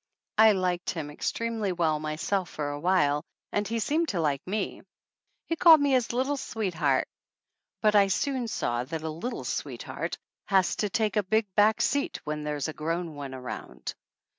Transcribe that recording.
I liked him extremely well myself for a while, and he seemed to like me. He called me his little sweetheart, but I soon saw that a little sweet heart has to take a big back seat when there's a grown one around.